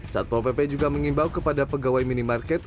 satpol pp juga mengimbau kepada pegawai minimarket